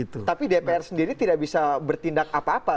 tapi dpr sendiri tidak bisa bertindak apa apa